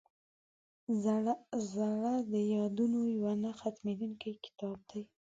زړه د یادونو یو نه ختمېدونکی کتاب دی.